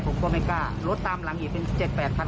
ผมก็ไม่กล้ารถตามหลังอีกเป็น๗๘คัน